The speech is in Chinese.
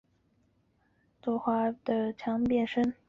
披风男穿着有蝙蝠能力特殊强化服的变身。